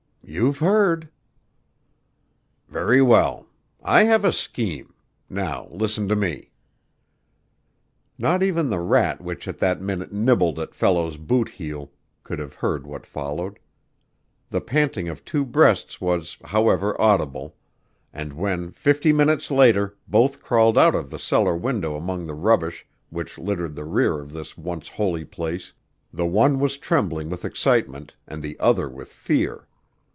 "You've heard." "Very well; I have a scheme. Now listen to me." Not even the rat which at that minute nibbled at Fellows's boot heel could have heard what followed. The panting of two breasts was, however, audible; and when, fifty minutes later, both crawled out of the cellar window among the rubbish which littered the rear of this once holy place, the one was trembling with excitement and the other with fear.